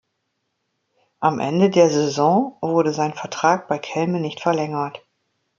Am Ende der Saison wurde sein Vertrag bei Kelme nicht verlängert.